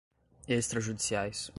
extrajudiciais